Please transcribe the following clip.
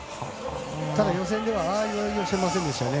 ただ、予選ではああいう泳ぎをしていませんでしたよね。